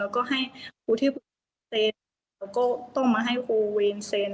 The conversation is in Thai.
แล้วก็ให้ครูที่เซ็นแล้วก็ต้องมาให้ครูเวรเซ็น